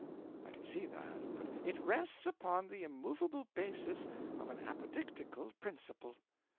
'I can see that, but ' 'It rests upon the immovable basis of an Apodictical Principle.'